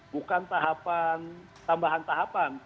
bukan tahapan tambahan tahapan